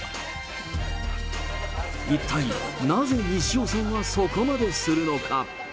一体なぜ西尾さんはそこまでするのか。